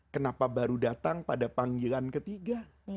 kenapa baru datang pada panggilan ketiga